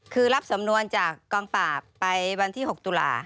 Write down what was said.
คือรับสำนวนจากกองปราบไปวันที่๖ตุลา